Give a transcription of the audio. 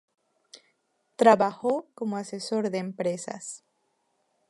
Trabajó como asesor de empresas.